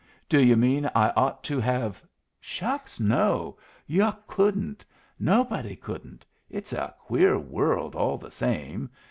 "Do you mean I ought to have " "Shucks! no. Yu' couldn't. Nobody couldn't. It's a queer world, all the same.